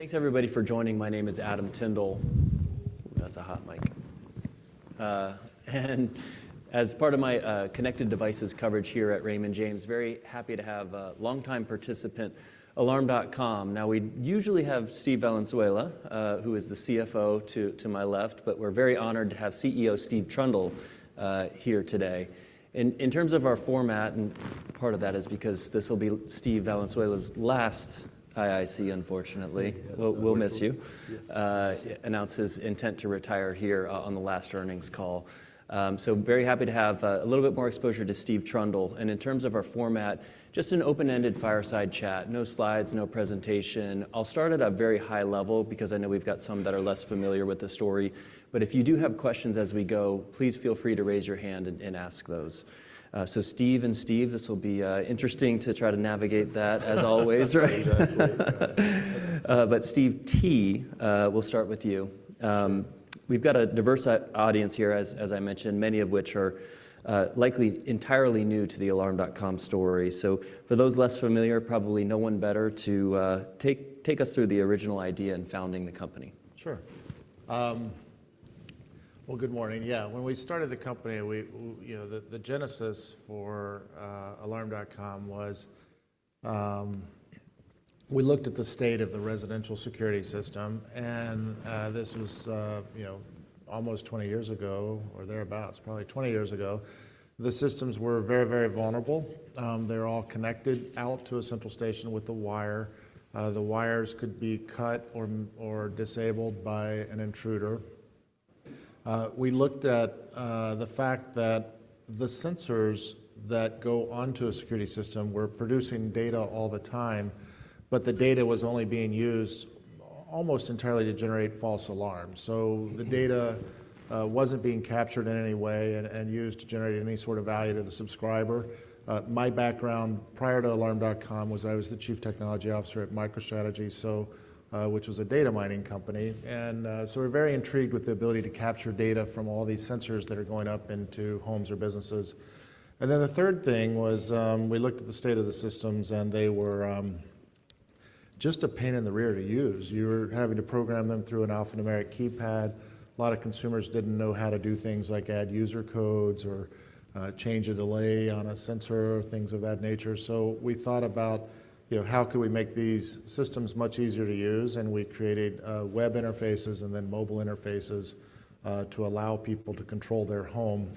Thanks, everybody, for joining. My name is Adam Tindle. That's a hot mic, and as part of my connected devices coverage here at Raymond James, very happy to have a longtime participant, Alarm.com. Now, we usually have Steve Valenzuela, who is the CFO to my left, but we're very honored to have CEO Steve Trundle here today. In terms of our format, and part of that is because this will be Steve Valenzuela's last IIC, unfortunately. We'll miss you. He announced his intent to retire here on the last earnings call, so very happy to have a little bit more exposure to Steve Trundle. In terms of our format, just an open-ended fireside chat, no slides, no presentation. I'll start at a very high level because I know we've got some that are less familiar with the story. But if you do have questions as we go, please feel free to raise your hand and ask those. So Steve and Steve, this will be interesting to try to navigate that as always, right? But Steve T, we'll start with you. We've got a diverse audience here, as I mentioned, many of which are likely entirely new to the Alarm.com story. So for those less familiar, probably no one better to take us through the original idea and founding the company. Sure. Well, good morning. Yeah. When we started the company, we you know the genesis for Alarm.com was we looked at the state of the residential security system. This was you know almost 20 years ago or thereabouts probably 20 years ago. The systems were very very vulnerable. They're all connected out to a central station with a wire. The wires could be cut or disabled by an intruder. We looked at the fact that the sensors that go onto a security system were producing data all the time but the data was only being used almost entirely to generate false alarms. So the data wasn't being captured in any way and used to generate any sort of value to the subscriber. My background prior to Alarm.com was I was the Chief Technology Officer at MicroStrategy so which was a data mining company. And so we're very intrigued with the ability to capture data from all these sensors that are going up into homes or businesses. And then the third thing was, we looked at the state of the systems and they were just a pain in the rear to use. You were having to program them through an alphanumeric keypad. A lot of consumers didn't know how to do things like add user codes or change a delay on a sensor or things of that nature. So we thought about, you know, how could we make these systems much easier to use? And we created web interfaces and then mobile interfaces to allow people to control their home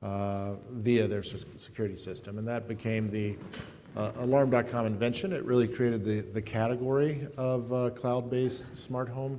via their security system. And that became the Alarm.com invention. It really created the category of cloud-based smart home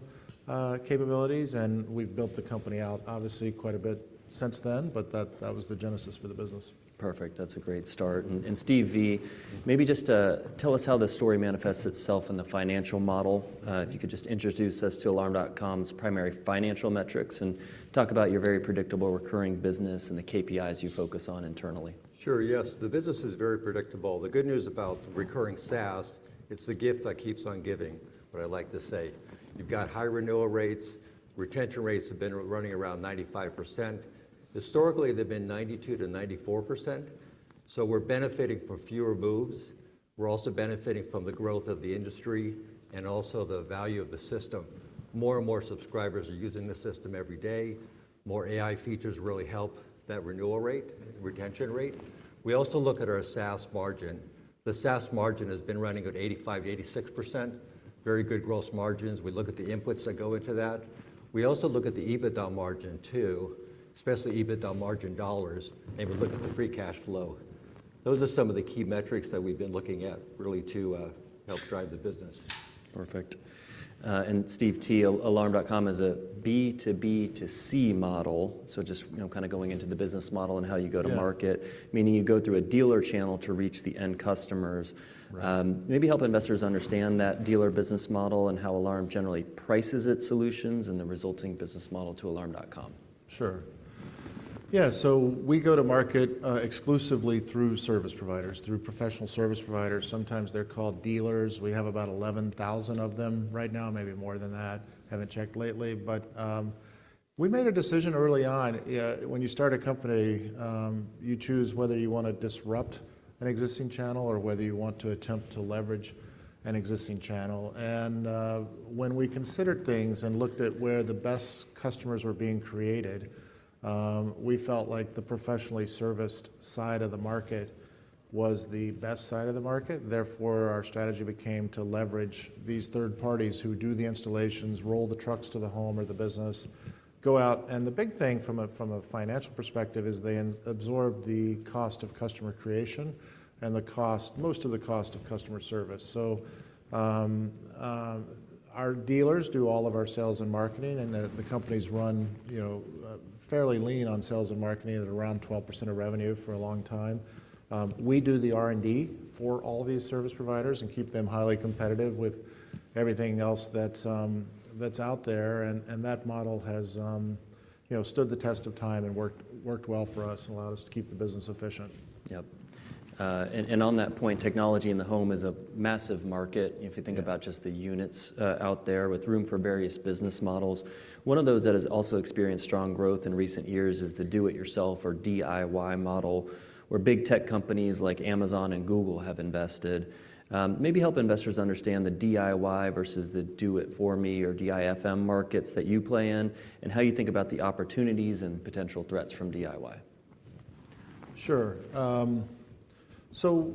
capabilities. We've built the company out, obviously, quite a bit since then, but that was the genesis for the business. Perfect. That's a great start. And Steve V, maybe just tell us how the story manifests itself in the financial model. If you could just introduce us to Alarm.com's primary financial metrics and talk about your very predictable recurring business and the KPIs you focus on internally. Sure. Yes. The business is very predictable. The good news about recurring SaaS, it's the gift that keeps on giving, what I like to say. You've got high renewal rates. Retention rates have been running around 95%. Historically, they've been 92%-94%. So we're benefiting from fewer moves. We're also benefiting from the growth of the industry and also the value of the system. More and more subscribers are using the system every day. More AI features really help that renewal rate, retention rate. We also look at our SaaS margin. The SaaS margin has been running at 85%-86%. Very good gross margins. We look at the inputs that go into that. We also look at the EBITDA margin too, especially EBITDA margin dollars. And we look at the free cash flow. Those are some of the key metrics that we've been looking at really to help drive the business. Perfect. And Steve T, Alarm.com is a B2B2C model. So just, you know, kind of going into the business model and how you go to market, meaning you go through a dealer channel to reach the end customers. Maybe help investors understand that dealer business model and how Alarm generally prices its solutions and the resulting business model to Alarm.com. Sure. Yeah. So we go to market, exclusively through service providers, through professional service providers. Sometimes they're called dealers. We have about 11,000 of them right now, maybe more than that, haven't checked lately. But, we made a decision early on, when you start a company, you choose whether you want to disrupt an existing channel or whether you want to attempt to leverage an existing channel. And, when we considered things and looked at where the best customers were being created, we felt like the professionally serviced side of the market was the best side of the market. Therefore, our strategy became to leverage these third parties who do the installations, roll the trucks to the home or the business, go out. And the big thing from a financial perspective is they absorb the cost of customer creation and the cost, most of the cost of customer service. So, our dealers do all of our sales and marketing, and the companies run, you know, fairly lean on sales and marketing at around 12% of revenue for a long time. We do the R&D for all these service providers and keep them highly competitive with everything else that's out there. And that model has, you know, stood the test of time and worked well for us and allowed us to keep the business efficient. Yep. And on that point, technology in the home is a massive market. If you think about just the units out there with room for various business models. One of those that has also experienced strong growth in recent years is the do-it-yourself or DIY model where Big Tech companies like Amazon and Google have invested. Maybe help investors understand the DIY versus the do-it-for-me or DIFM markets that you play in and how you think about the opportunities and potential threats from DIY. Sure. So,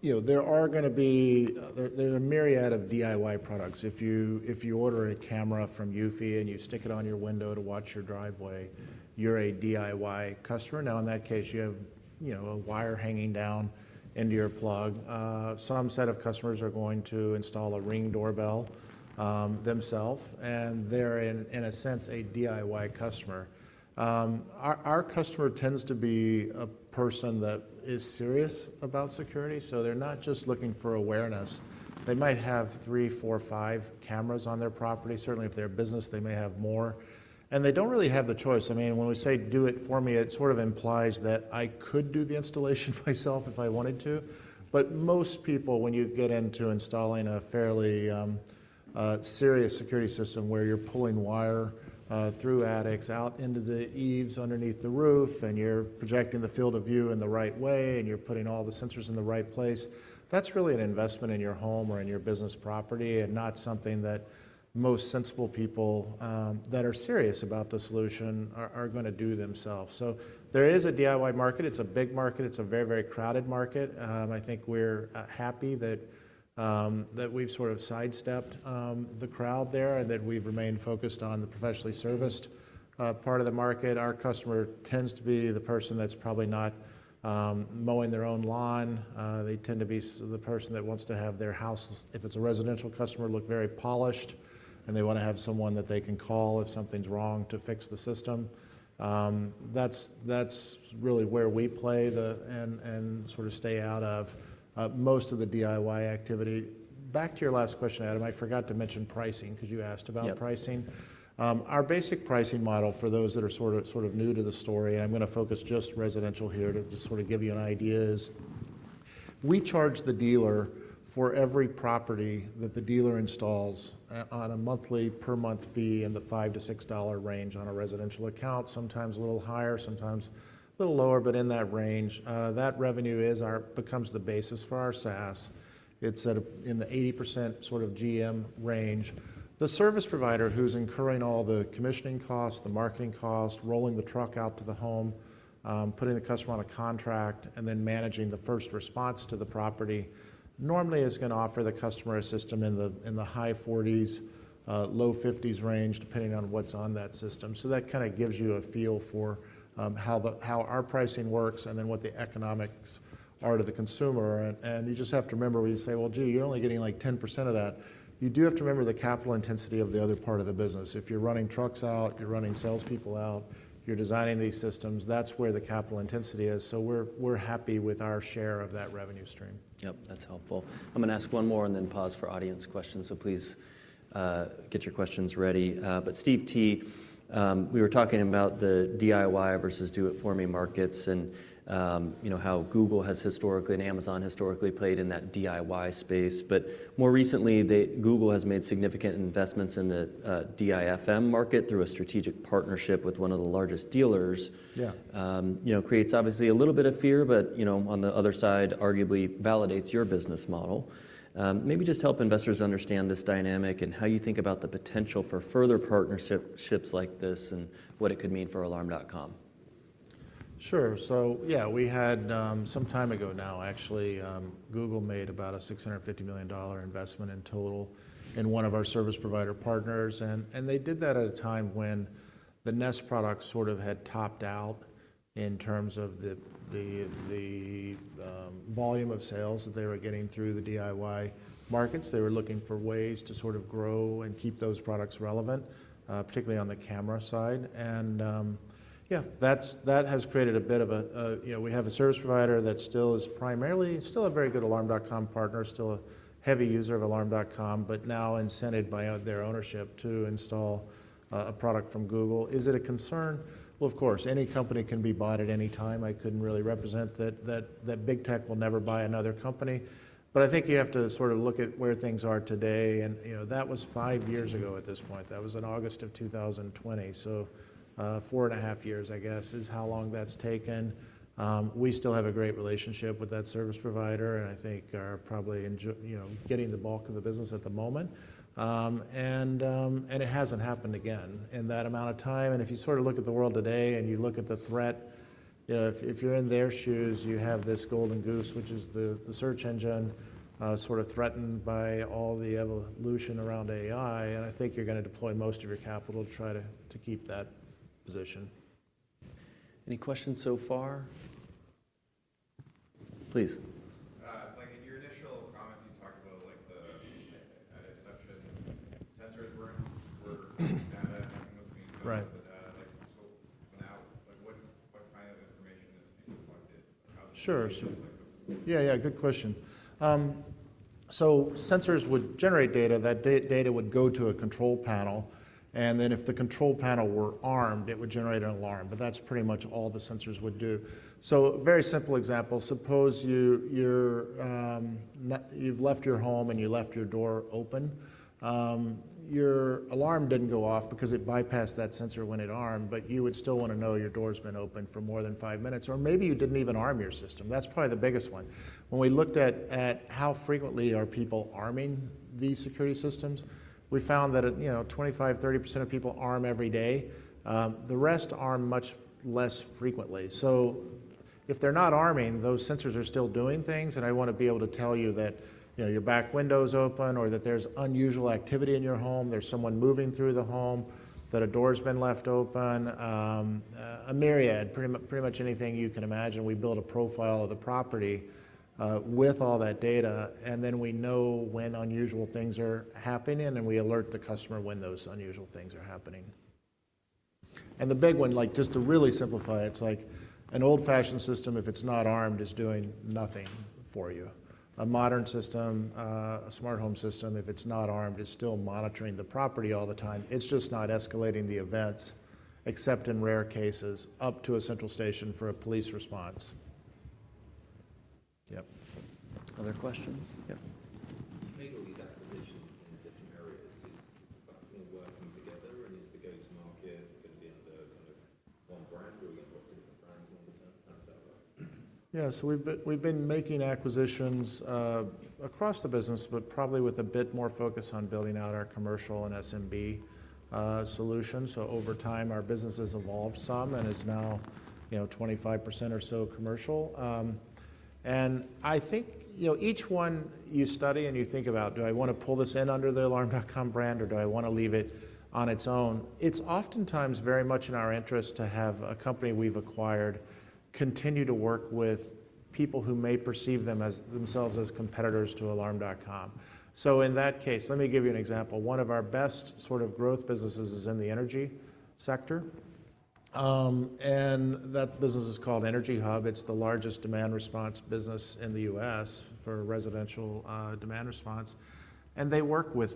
you know, there are going to be. There's a myriad of DIY products. If you order a camera from Eufy and you stick it on your window to watch your driveway, you're a DIY customer. Now, in that case, you have, you know, a wire hanging down into your plug. Some set of customers are going to install a Ring doorbell themselves, and they're, in a sense, a DIY customer. Our customer tends to be a person that is serious about security. So they're not just looking for awareness. They might have three, four, five cameras on their property. Certainly, if they're a business, they may have more. And they don't really have the choice. I mean, when we say do-it-for-me, it sort of implies that I could do the installation myself if I wanted to. But most people, when you get into installing a fairly serious security system where you're pulling wire through attics, out into the eaves underneath the roof, and you're projecting the field of view in the right way, and you're putting all the sensors in the right place, that's really an investment in your home or in your business property and not something that most sensible people that are serious about the solution are going to do themselves. So there is a DIY market. It's a big market. It's a very, very crowded market. I think we're happy that we've sort of sidestepped the crowd there and that we've remained focused on the professionally serviced part of the market. Our customer tends to be the person that's probably not mowing their own lawn. They tend to be the person that wants to have their house, if it's a residential customer, look very polished, and they want to have someone that they can call if something's wrong to fix the system. That's really where we play, and sort of stay out of most of the DIY activity. Back to your last question, Adam. I forgot to mention pricing because you asked about pricing. Our basic pricing model for those that are sort of new to the story, and I'm going to focus just residential here to sort of give you an idea is we charge the dealer for every property that the dealer installs, on a monthly, per month fee in the $5-$6 range on a residential account, sometimes a little higher, sometimes a little lower, but in that range. That revenue is our, becomes the basis for our SaaS. It's at in the 80% sort of GM range. The service provider who's incurring all the commissioning costs, the marketing costs, rolling the truck out to the home, putting the customer on a contract, and then managing the first response to the property normally is going to offer the customer a system in the high $40s, low $50s range, depending on what's on that system. So that kind of gives you a feel for how our pricing works and then what the economics are to the consumer. And you just have to remember when you say, well, gee, you're only getting like 10% of that. You do have to remember the capital intensity of the other part of the business. If you're running trucks out, you're running salespeople out, you're designing these systems, that's where the capital intensity is. So we're happy with our share of that revenue stream. Yep. That's helpful. I'm going to ask one more and then pause for audience questions. So please, get your questions ready. But Steve T, we were talking about the DIY versus do-it-for-me markets and, you know, how Google has historically and Amazon historically played in that DIY space. But more recently, Google has made significant investments in the, DIFM market through a strategic partnership with one of the largest dealers. Yeah. You know, creates obviously a little bit of fear, but, you know, on the other side, arguably validates your business model. Maybe just help investors understand this dynamic and how you think about the potential for further partnerships like this and what it could mean for Alarm.com. Sure. So yeah, we had some time ago now, actually, Google made about a $650 million investment in total in one of our service provider partners. And they did that at a time when the Nest product sort of had topped out in terms of the volume of sales that they were getting through the DIY markets. They were looking for ways to sort of grow and keep those products relevant, particularly on the camera side. And yeah, that has created a bit of a, you know, we have a service provider that still is primarily a very good Alarm.com partner, still a heavy user of Alarm.com, but now incented by their ownership to install a product from Google. Is it a concern? Well, of course, any company can be bought at any time. I couldn't really represent that big tech will never buy another company. But I think you have to sort of look at where things are today. And, you know, that was five years ago at this point. That was in August of 2020. So, four and a half years, I guess, is how long that's taken. We still have a great relationship with that service provider, and I think are probably in, you know, getting the bulk of the business at the moment. And it hasn't happened again in that amount of time. And if you sort of look at the world today and you look at the threat, you know, if you're in their shoes, you have this golden goose, which is the search engine, sort of threatened by all the evolution around AI. I think you're going to deploy most of your capital to try to keep that position. Any questions so far? Please. Like your initial comments, you talked about like the assumption sensors were delivering data. Right. Sure. Yeah. Yeah. Good question. So sensors would generate data. That data would go to a control panel. And then if the control panel were armed, it would generate an alarm. But that's pretty much all the sensors would do. So a very simple example. Suppose you've left your home and you left your door open. Your alarm didn't go off because it bypassed that sensor when it armed, but you would still want to know your door's been open for more than five minutes. Or maybe you didn't even arm your system. That's probably the biggest one. When we looked at how frequently are people arming these security systems, we found that, you know, 25%-30% of people arm every day. The rest arm much less frequently. So if they're not arming, those sensors are still doing things. And I want to be able to tell you that, you know, your back window's open or that there's unusual activity in your home. There's someone moving through the home, that a door's been left open. A myriad, pretty much, pretty much anything you can imagine. We build a profile of the property, with all that data. And then we know when unusual things are happening and we alert the customer when those unusual things are happening. And the big one, like just to really simplify it, it's like an old-fashioned system, if it's not armed, is doing nothing for you. A modern system, a smart home system, if it's not armed, is still monitoring the property all the time. It's just not escalating the events, except in rare cases, up to a central station for a police response. Yep. Other questions? Yep. You make all these acquisitions in different areas. He's, you know, working together and is the go-to market going to be under a different backlog? Yeah, so we've been making acquisitions across the business, but probably with a bit more focus on building out our commercial and SMB solutions. So over time, our business has evolved some and is now, you know, 25% or so commercial, and I think, you know, each one you study and you think about, do I want to pull this in under the Alarm.com brand or do I want to leave it on its own? It's oftentimes very much in our interest to have a company we've acquired continue to work with people who may perceive themselves as competitors to Alarm.com, so in that case, let me give you an example. One of our best sort of growth businesses is in the energy sector, and that business is called EnergyHub. It's the largest demand response business in the U.S. for residential demand response. They work with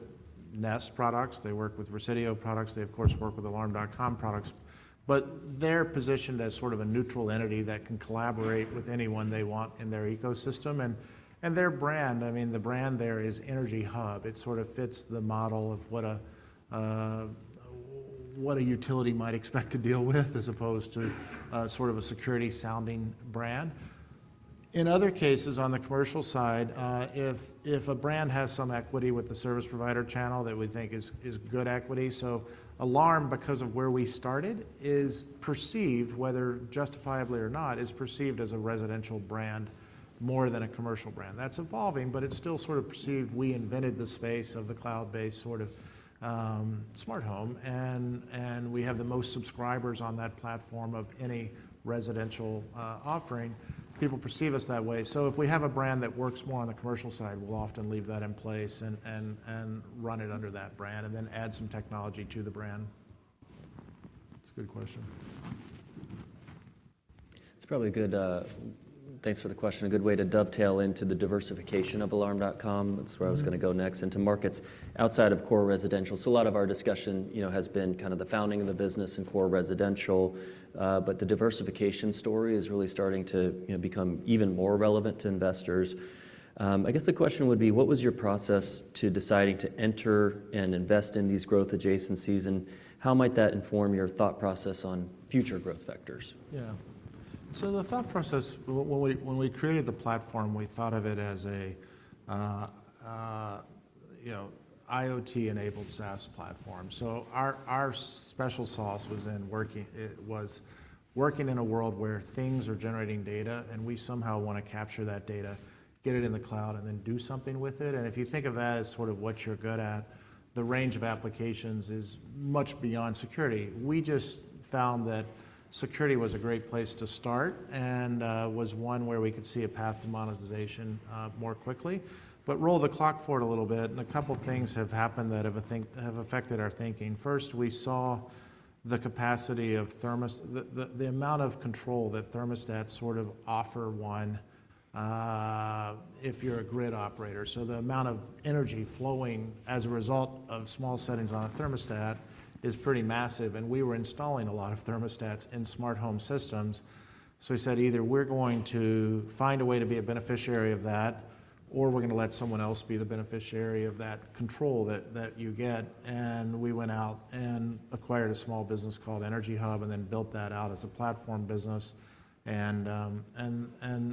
Nest products. They work with Resideo products. They, of course, work with Alarm.com products, but they're positioned as sort of a neutral entity that can collaborate with anyone they want in their ecosystem. And their brand, I mean, the brand there is EnergyHub. It sort of fits the model of what a utility might expect to deal with as opposed to sort of a security-sounding brand. In other cases, on the commercial side, if a brand has some equity with the service provider channel that we think is good equity. So Alarm, because of where we started, is perceived, whether justifiably or not, as a residential brand more than a commercial brand. That's evolving, but it's still sort of perceived we invented the space of the cloud-based sort of smart home. And we have the most subscribers on that platform of any residential offering. People perceive us that way. So if we have a brand that works more on the commercial side, we'll often leave that in place and run it under that brand and then add some technology to the brand. That's a good question. Thanks for the question. A good way to dovetail into the diversification of Alarm.com. That's where I was going to go next and to markets outside of core residential, so a lot of our discussion, you know, has been kind of the founding of the business and core residential, but the diversification story is really starting to, you know, become even more relevant to investors. I guess the question would be, what was your process to deciding to enter and invest in these growth adjacencies and how might that inform your thought process on future growth factors? Yeah, so the thought process, when we created the platform, we thought of it as a, you know, IoT-enabled SaaS platform. So our special sauce was working in a world where things are generating data and we somehow want to capture that data, get it in the cloud, and then do something with it, and if you think of that as sort of what you're good at, the range of applications is much beyond security. We just found that security was a great place to start and was one where we could see a path to monetization more quickly. But roll the clock forward a little bit and a couple of things have happened that have affected our thinking. First, we saw the capacity of thermostats, the amount of control that thermostats sort of offer one, if you're a grid operator. So the amount of energy flowing as a result of small settings on a thermostat is pretty massive. And we were installing a lot of thermostats in smart home systems. So we said, either we're going to find a way to be a beneficiary of that, or we're going to let someone else be the beneficiary of that control that you get. And we went out and acquired a small business called EnergyHub and then built that out as a platform business. And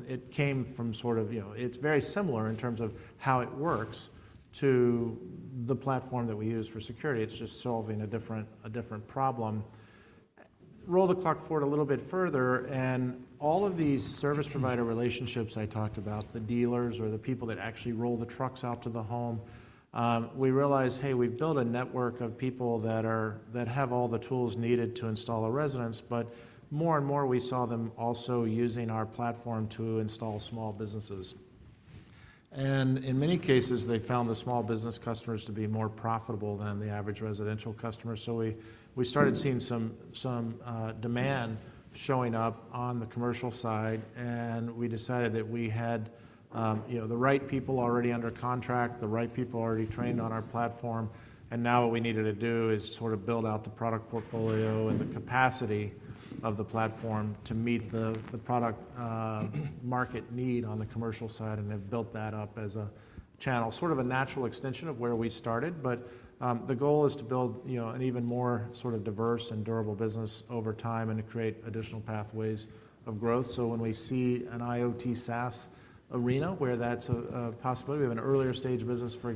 it came from sort of, you know, it's very similar in terms of how it works to the platform that we use for security. It's just solving a different problem. Roll the clock forward a little bit further. And all of these service provider relationships I talked about, the dealers or the people that actually roll the trucks out to the home. We realized, hey, we've built a network of people that have all the tools needed to install a residence, but more and more we saw them also using our platform to install small businesses. And in many cases, they found the small business customers to be more profitable than the average residential customer. So we started seeing some demand showing up on the commercial side. And we decided that we had, you know, the right people already under contract, the right people already trained on our platform. And now what we needed to do is sort of build out the product portfolio and the capacity of the platform to meet the product market need on the commercial side. They've built that up as a channel, sort of a natural extension of where we started. But the goal is to build, you know, an even more sort of diverse and durable business over time and to create additional pathways of growth. So when we see an IoT SaaS arena, where that's a possibility of an earlier stage business, for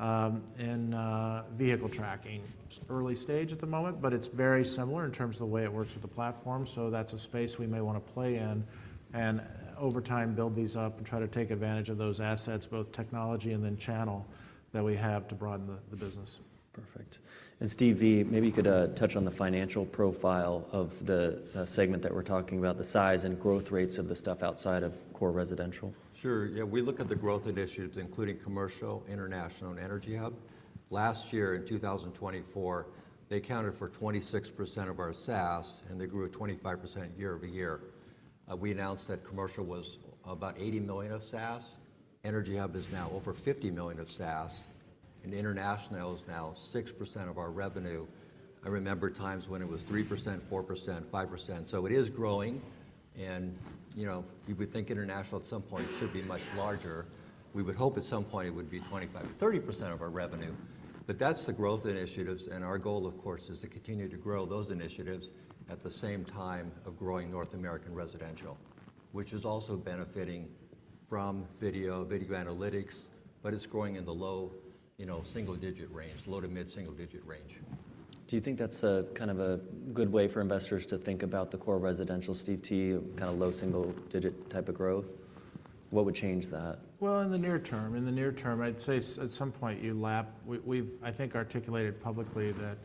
example, in vehicle tracking, early stage at the moment, but it's very similar in terms of the way it works with the platform. So that's a space we may want to play in and over time build these up and try to take advantage of those assets, both technology and then channel that we have to broaden the business. Perfect. And Steve V, maybe you could touch on the financial profile of the segment that we're talking about, the size and growth rates of the stuff outside of core residential. Sure. Yeah. We look at the growth initiatives, including commercial, international, and EnergyHub. Last year in 2024, they accounted for 26% of our SaaS and they grew 25% year-over year. We announced that commercial was about $80 million of SaaS. EnergyHub is now over $50 million of SaaS, and international is now 6% of our revenue. I remember times when it was 3%, 4%, 5%. So it is growing, and, you know, you would think international at some point should be much larger. We would hope at some point it would be 25%-30% of our revenue. But that's the growth initiatives. Our goal, of course, is to continue to grow those initiatives at the same time of growing North American residential, which is also benefiting from video, video analytics, but it's growing in the low, you know, single digit range, low to mid single digit range. Do you think that's a kind of a good way for investors to think about the core residential, Steve T, kind of low single digit type of growth? What would change that? In the near term, in the near term, I'd say at some point you lap, we've, I think articulated publicly that,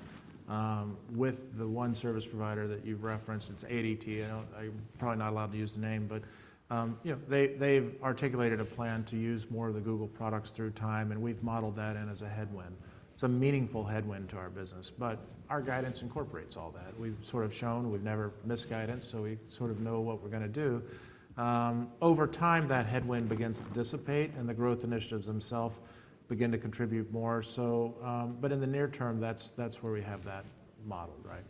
with the one service provider that you've referenced, it's ADT. I don't, I'm probably not allowed to use the name, but, you know, they, they've articulated a plan to use more of the Google products through time. And we've modeled that in as a headwind, some meaningful headwind to our business. But our guidance incorporates all that. We've sort of shown we've never missed guidance. So we sort of know what we're going to do. Over time, that headwind begins to dissipate and the growth initiatives themselves begin to contribute more. So, but in the near term, that's where we have that model, right?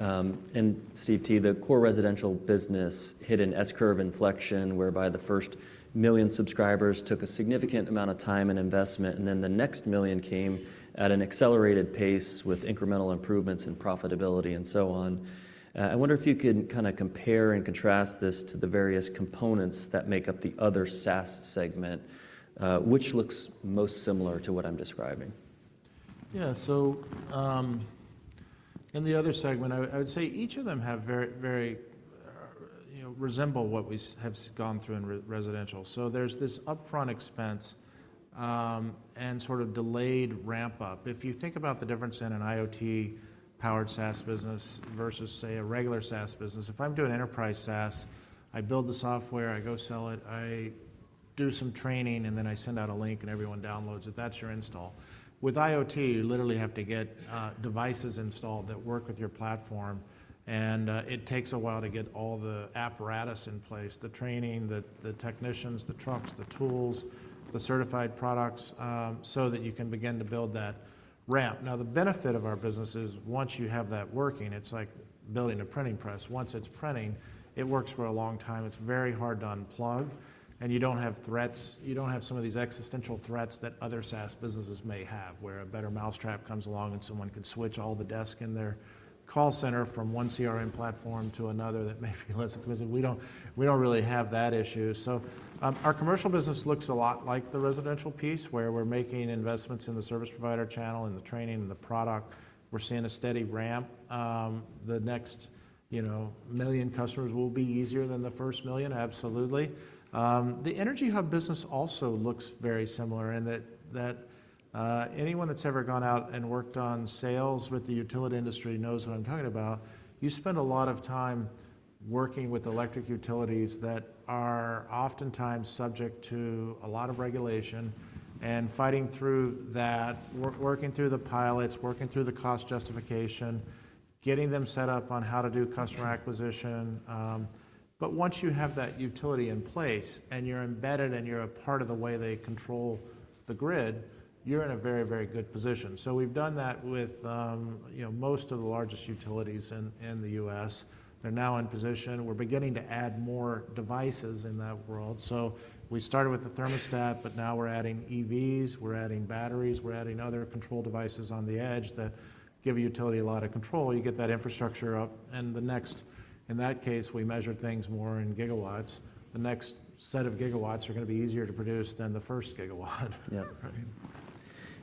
Yep. And Steve T., the core residential business hit an S-curve inflection whereby the first million subscribers took a significant amount of time and investment, and then the next million came at an accelerated pace with incremental improvements in profitability and so on. I wonder if you could kind of compare and contrast this to the various components that make up the other SaaS segment, which looks most similar to what I'm describing. Yeah. So, in the other segment, I would say each of them have very, very, you know, resemble what we have gone through in residential. So there's this upfront expense, and sort of delayed ramp up. If you think about the difference in an IoT powered SaaS business versus, say, a regular SaaS business, if I'm doing enterprise SaaS, I build the software, I go sell it, I do some training, and then I send out a link and everyone downloads it. That's your install. With IoT, you literally have to get devices installed that work with your platform. And it takes a while to get all the apparatus in place, the training, the technicians, the trucks, the tools, the certified products, so that you can begin to build that ramp. Now, the benefit of our business is once you have that working, it's like building a printing press. Once it's printing, it works for a long time. It's very hard to unplug and you don't have threats. You don't have some of these existential threats that other SaaS businesses may have where a better mousetrap comes along and someone can switch all the desks in their call center from one CRM platform to another that may be less expensive. We don't, we don't really have that issue. So, our commercial business looks a lot like the residential piece where we're making investments in the service provider channel and the training and the product. We're seeing a steady ramp. The next, you know, million customers will be easier than the first million. Absolutely. The EnergyHub business also looks very similar in that anyone that's ever gone out and worked on sales with the utility industry knows what I'm talking about. You spend a lot of time working with electric utilities that are oftentimes subject to a lot of regulation and fighting through that, working through the pilots, working through the cost justification, getting them set up on how to do customer acquisition, but once you have that utility in place and you're embedded and you're a part of the way they control the grid, you're in a very, very good position. So we've done that with, you know, most of the largest utilities in the U.S. They're now in position. We're beginning to add more devices in that world. So we started with the thermostat, but now we're adding EVs, we're adding batteries, we're adding other control devices on the edge that give utility a lot of control. You get that infrastructure up and then, in that case, we measured things more in gigawatts. The next set of gigawatts are going to be easier to produce than the first gigawatt. Yep.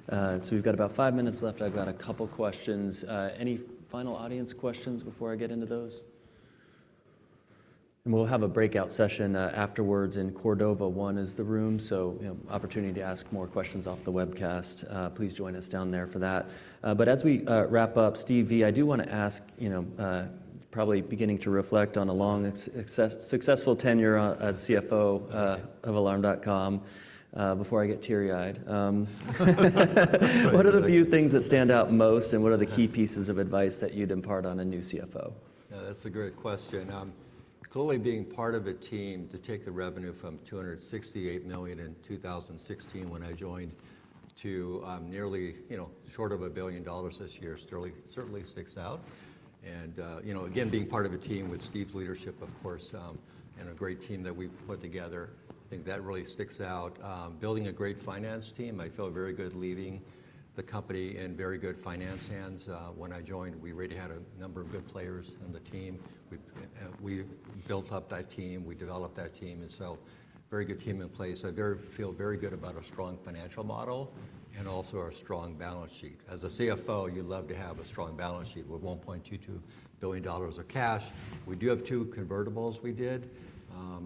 Right. So we've got about five minutes left. I've got a couple of questions. Any final audience questions before I get into those? And we'll have a breakout session afterwards in Cordova 1, the room. So, you know, opportunity to ask more questions off the webcast. Please join us down there for that. But as we wrap up, Steve V, I do want to ask, you know, probably beginning to reflect on a long, successful tenure as CFO of Alarm.com before I get teary-eyed. What are the few things that stand out most and what are the key pieces of advice that you'd impart on a new CFO? Yeah, that's a great question. Clearly being part of a team to take the revenue from $268 million in 2016 when I joined to, nearly, you know, short of $1 billion this year certainly, certainly sticks out. And, you know, again, being part of a team with Steve's leadership, of course, and a great team that we put together, I think that really sticks out. Building a great finance team. I feel very good leaving the company in very good finance hands. When I joined, we already had a number of good players on the team. We, we built up that team. We developed that team. And so very good team in place. I feel very good about our strong financial model and also our strong balance sheet. As a CFO, you love to have a strong balance sheet with $1.22 billion of cash. We do have two convertibles we did.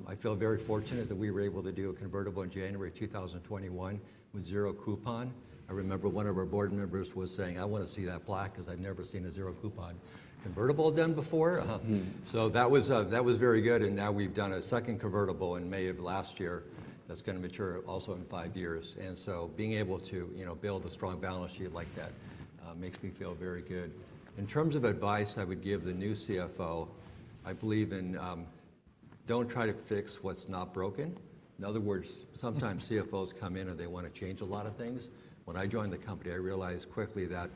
I feel very fortunate that we were able to do a convertible in January 2021 with zero coupon. I remember one of our board members was saying, I want to see that black because I'd never seen a zero coupon convertible done before. Uh-huh. So that was very good. And now we've done a second convertible in May of last year that's going to mature also in five years. And so being able to, you know, build a strong balance sheet like that makes me feel very good. In terms of advice I would give the new CFO, I believe in, don't try to fix what's not broken. In other words, sometimes CFOs come in and they want to change a lot of things. When I joined the company, I realized quickly that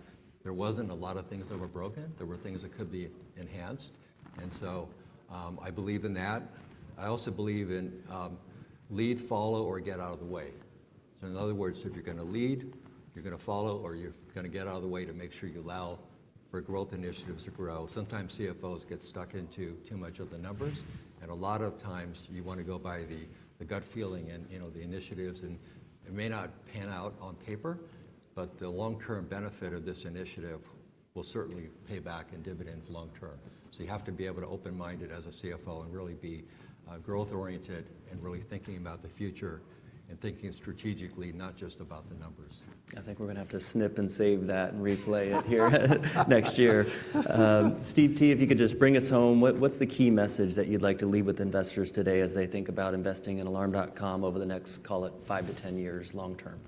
there wasn't a lot of things that were broken. There were things that could be enhanced, and so I believe in that. I also believe in lead, follow, or get out of the way, so in other words, if you're going to lead, you're going to follow, or you're going to get out of the way to make sure you allow for growth initiatives to grow. Sometimes CFOs get stuck into too much of the numbers, and a lot of times you want to go by the gut feeling and, you know, the initiatives, and it may not pan out on paper, but the long-term benefit of this initiative will certainly pay back in dividends long-term. So you have to be able to be open-minded as a CFO and really be growth-oriented and really thinking about the future and thinking strategically, not just about the numbers. I think we're going to have to snip and save that and replay it here next year. Steve T, if you could just bring us home, what's the key message that you'd like to leave with investors today as they think about investing in Alarm.com over the next, call it five to 10 years, long-term?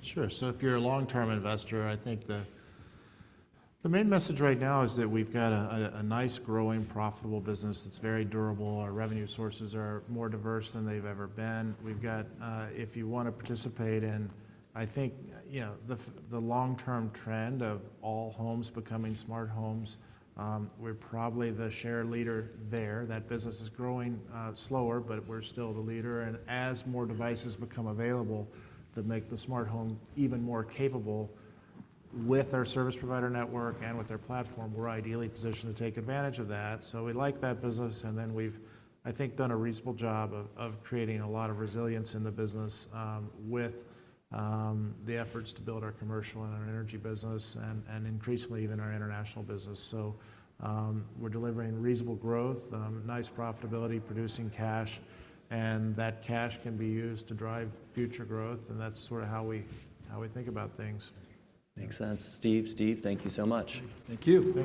Sure, so if you're a long-term investor, I think the main message right now is that we've got a nice growing profitable business. It's very durable. Our revenue sources are more diverse than they've ever been. We've got, if you want to participate in, I think, you know, the long-term trend of all homes becoming smart homes, we're probably the share leader there. That business is growing slower, but we're still the leader, and as more devices become available that make the smart home even more capable with our service provider network and with our platform, we're ideally positioned to take advantage of that. So we like that business, and then we've, I think, done a reasonable job of creating a lot of resilience in the business, with the efforts to build our commercial and our energy business and increasingly even our international business. So, we're delivering reasonable growth, nice profitability, producing cash, and that cash can be used to drive future growth. And that's sort of how we think about things. Makes sense. Steve, Steve, thank you so much. Thank you.